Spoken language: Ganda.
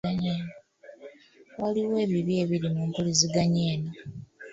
Waliwo ebibi ebiri mu mpuliziganya eno.